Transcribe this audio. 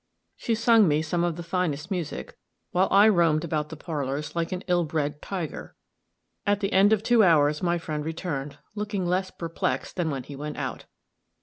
She sung me some of the finest music, while I roamed about the parlors like an ill bred tiger. At the end of two hours my friend returned, looking less perplexed than when he went out.